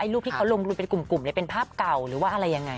รูปที่เขาลงทุนเป็นกลุ่มเป็นภาพเก่าหรือว่าอะไรยังไง